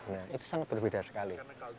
nah itu sangat berbeda sekali